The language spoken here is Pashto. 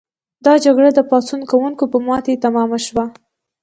دا جګړه د پاڅون کوونکو په ماتې تمامه شوه.